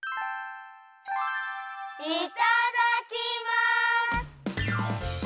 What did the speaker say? いただきます！